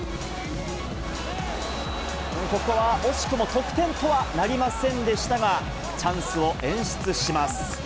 ここは惜しくも得点とはなりませんでしたが、チャンスを演出します。